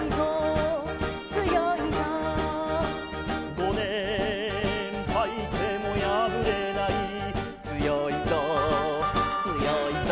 「ごねんはいてもやぶれない」「つよいぞつよいぞ」